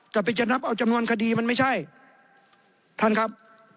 จะไปจะนับเอาจำนวนคดีมันไม่ใช่ท่านครับ